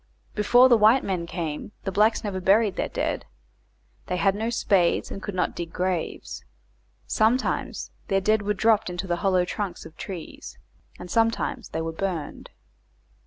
Before the white men came the blacks never buried their dead; they had no spades and could not dig graves. Sometimes their dead were dropped into the hollow trunks of trees, and sometimes they were burned.